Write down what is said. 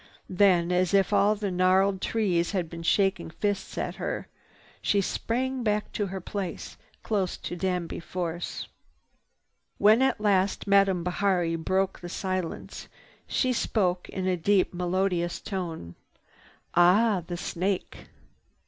Then, as if all the gnarled trees had been shaking fists at her, she sprang back to her place close to Danby Force. When at last Madame Bihari broke the silence, she spoke in a deep melodious tone: "Ah. The snake!"